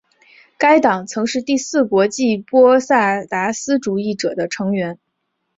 该党曾是第四国际波萨达斯主义者的成员。